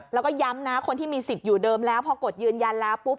แล้วก็ย้ำนะคนที่มีสิทธิ์อยู่เดิมแล้วพอกดยืนยันแล้วปุ๊บ